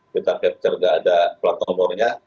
kita capture nggak ada plat nomornya